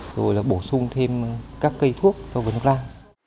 rồi bổ sung thêm các cây thuốc vào vườn thuốc nam